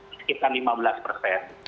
sekitar lima belas persen